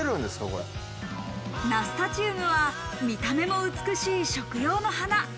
ナスタチウムは見た目も美しい食用の花。